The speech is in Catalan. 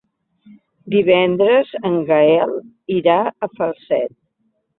Divendres en Gaël irà a Falset.